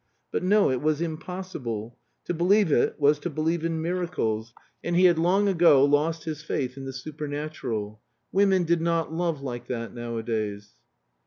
But no, it was impossible; to believe it was to believe in miracles, and he had long ago lost his faith in the supernatural. Women did not love like that nowadays.